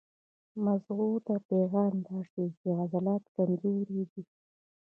مزغو ته پېغام لاړ شي چې عضلات کمزوري دي